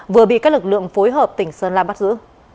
vừa bị các lực lượng phối hợp tỉnh sơn la bắt giữ